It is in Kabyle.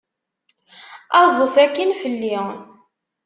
Aẓet akkin fell-i!